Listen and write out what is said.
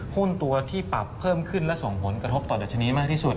หุ้นตัวที่ปรับเพิ่มขึ้นและส่งผลกระทบต่อดัชนีมากที่สุด